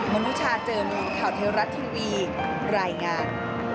นุชาเจอมูลข่าวเทวรัฐทีวีรายงาน